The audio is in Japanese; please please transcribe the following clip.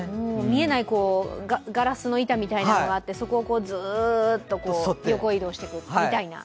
見えないガラスの板みたいなものがあってそこをずーっと横移動していくみたいな。